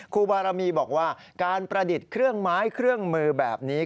ครูบารมีบอกว่าการประดิษฐ์เครื่องไม้เครื่องมือแบบนี้